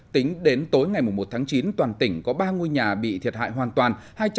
tính đến tối ngày một tháng chín toàn tỉnh có ba ngôi nhà bị thiệt hại hoàn toàn